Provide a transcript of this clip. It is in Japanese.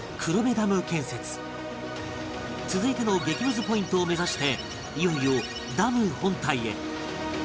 続いての激ムズポイントを目指していよいよダム本体へ